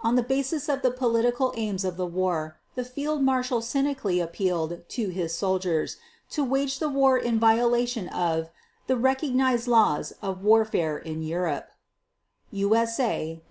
On the basis of the "political aims of the war" the Fieldmarshal cynically appealed to his soldiers to wage the war in violation of the "recognized laws of warfare in Europe" (USA 927).